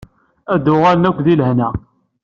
Ad d-uɣalen akk di lehna.